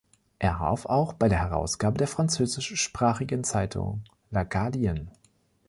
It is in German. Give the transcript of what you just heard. Er half auch bei der Herausgabe der französischsprachigen Zeitung „l'Acadien“.